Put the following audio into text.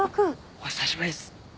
お久しぶりっす。